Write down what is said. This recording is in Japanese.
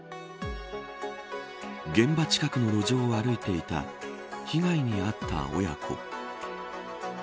現場近くの路上を歩いていた被害に遭った親子。